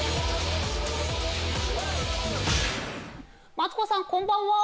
マツコさんこんばんは！